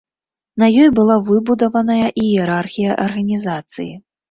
На ёй была выбудаваная іерархія арганізацыі.